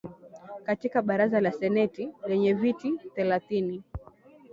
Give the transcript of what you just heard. katika Baraza la Seneti lenye viti thelathini